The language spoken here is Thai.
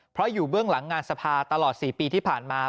เพราะอยู่เบื้องหลังงานสภาตลอด๔ปีที่ผ่านมา